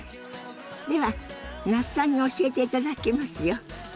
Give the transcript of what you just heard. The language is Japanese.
では那須さんに教えていただきますよ。